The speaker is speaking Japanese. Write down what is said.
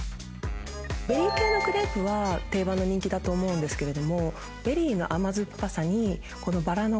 ベリー系のクレープは定番の人気だと思うんですけど。